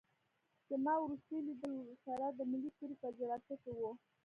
زما وروستی لیدل ورسره د ملي سرود په جلسه کې وو.